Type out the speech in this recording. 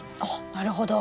なるほど。